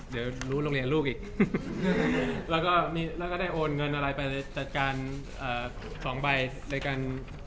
เดี๋ยวรู้โรงเรียนลูกอีกแล้วก็ได้โอนเงินอะไรไปจัดการสองใบในการ